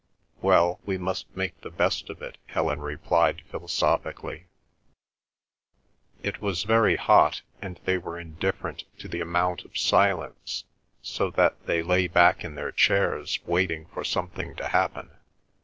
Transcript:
"Well, we must make the best of it," Helen replied philosophically. It was very hot, and they were indifferent to any amount of silence, so that they lay back in their chairs waiting for something to happen.